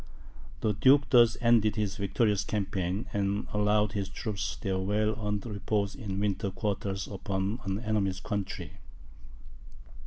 The duke thus ended his victorious campaign, and allowed his troops their well earned repose in winter quarters upon an enemy's country.